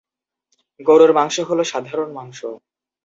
গরুর মাংস হল সাধারণ মাংস।